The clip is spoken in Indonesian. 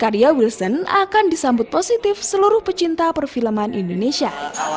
karya wilson akan disambut positif seluruh pecinta perfilman indonesia